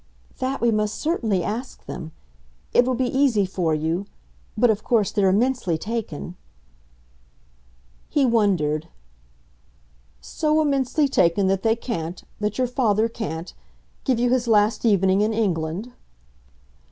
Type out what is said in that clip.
"That we must certainly ask them. It will be easy for you. But of course they're immensely taken !" He wondered. "So immensely taken that they can't that your father can't give you his last evening in England?"